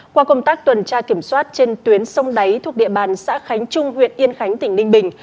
qua công tác tuần tra kiểm soát trên tuyến sông đáy thuộc địa bàn xã khánh trung huyện yên khánh tỉnh ninh bình